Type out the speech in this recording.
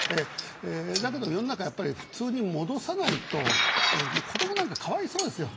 だけど世の中やっぱり普通に戻さないと子どもなんかかわいそうですよ。